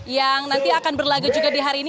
yang nanti akan berlaga juga di hari ini